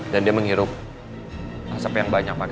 dan dia menghirup asap yang banyak